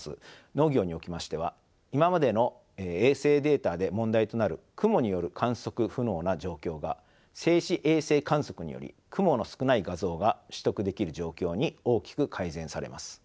農業におきましては今までの衛星データで問題となる雲による観測不能な状況が静止衛星観測により雲の少ない画像が取得できる状況に大きく改善されます。